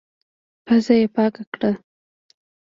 پزه يې پاکه کړه.